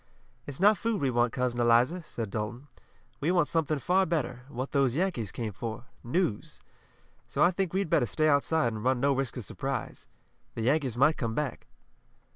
"It's not food we want, Cousin Eliza," said Dalton. "We want something far better, what those Yankees came for news. So I think we'd better stay outside and run no risk of surprise. The Yankees might come back."